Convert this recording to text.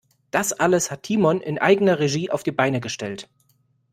Das alles hat Timon in eigener Regie auf die Beine gestellt.